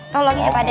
tolongin ya pak ade